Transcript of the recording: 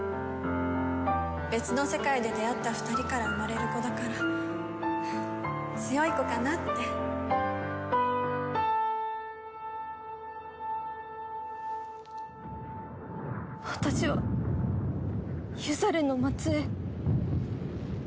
別の世界で出会った２人から生まれる子だから強い子かなって私はユザレの末えい。